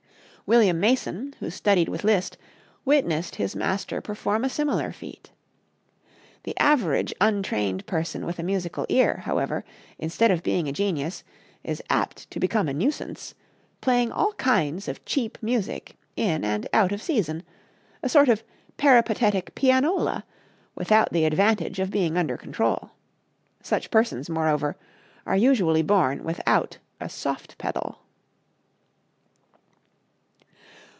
William Mason, who studied with Liszt, witnessed his master perform a similar feat. The average untrained person with a musical ear, however, instead of being a genius, is apt to become a nuisance, playing all kinds of cheap music in and out of season a sort of peripatetic pianola, without the advantage of being under control. Such persons, moreover, usually are born without a soft pedal.